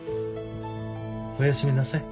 おやすみなさい。